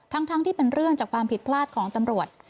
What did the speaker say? ทั้งที่เป็นเรื่องจากความผิดพลาดของตำรวจ